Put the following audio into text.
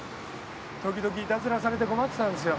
時々いたずらされて困ってたんですよ。